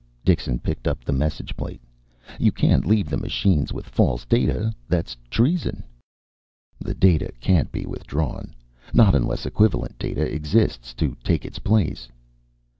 Dixon picked up the message plate. "You can't leave the machines with false data. That's treason." "The data can't be withdrawn! Not unless equivalent data exists to take its place."